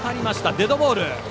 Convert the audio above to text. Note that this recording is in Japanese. デッドボール。